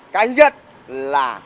cái nhất là